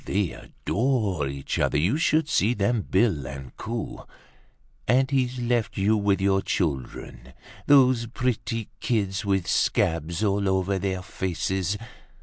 They adore each other. You should just see them bill and coo! And he's left you with your children. Those pretty kids with scabs all over their faces!